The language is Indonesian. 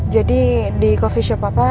jadi di coffee shop papa